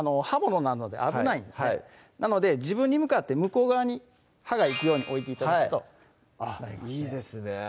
刃物なので危ないですねなので自分に向かって向こう側に刃が行くように置いて頂くとあっいいですね